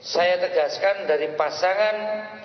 saya tegaskan dari pasangan